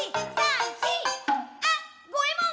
「あ、ごえもん！